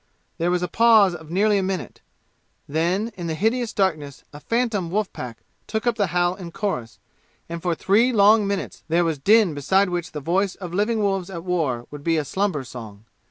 There was a pause of nearly a minute. Then in the hideous darkness a phantom wolf pack took up the howl in chorus, and for three long minutes there was din beside which the voice of living wolves at war would be a slumber song.